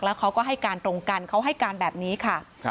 แล้วเขาก็ให้การตรงกันเขาให้การแบบนี้ค่ะ